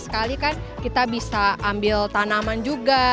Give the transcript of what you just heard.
sekali kan kita bisa ambil tanaman juga